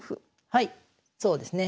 はいそうですね。